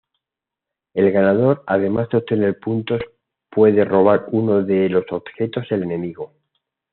El ganador además de obtener puntos puede robar uno de los objetos del enemigo.